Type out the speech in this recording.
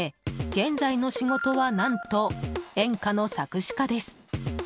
現在の仕事は何と演歌の作詞家です。